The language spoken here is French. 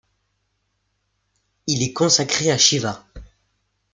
Il est consacré à Shiva.